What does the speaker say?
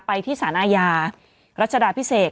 ไปที่สารอาญารัชดาพิเศษ